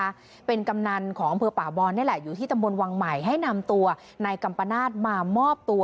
นะคะเป็นกำนันของอำเภอป่าบอลนี่แหละอยู่ที่ตำบลวังใหม่ให้นำตัวนายกัมปนาศมามอบตัว